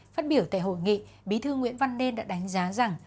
phát biểu tại hội nghị bí thư nguyễn văn nên đã đánh giá rằng